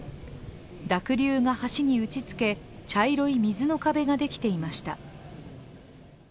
濁流が橋に打ち付け、茶色い水の壁ができていました。